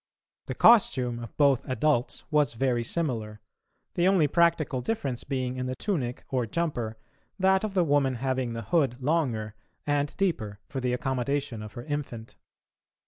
The costume of both adults was very similar, the only practical difference being in the tunic or jumper, that of the woman having the hood longer and deeper for the accommodation of her infant.